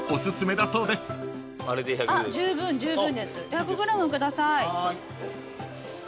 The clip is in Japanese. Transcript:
１００ｇ下さい。